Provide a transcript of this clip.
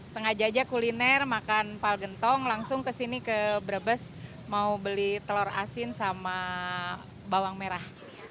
sengaja aja kuliner makan pal gentong langsung ke sini ke brebes mau beli telur asin sama bawang merah